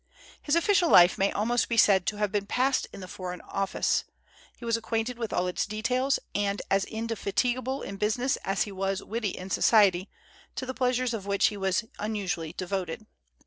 His official life may almost be said to have been passed in the Foreign Office; he was acquainted with all its details, and as indefatigable in business as he was witty in society, to the pleasures of which he was unusually devoted.